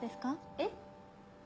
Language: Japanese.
えっ？